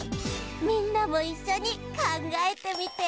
みんなもいっしょにかんがえてみて！